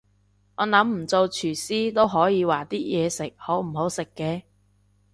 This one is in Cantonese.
我諗唔做廚師都可以話啲嘢食好唔好食嘅